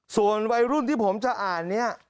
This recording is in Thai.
ส่วนวัยรุ่นที่ผมจะอ่านนี้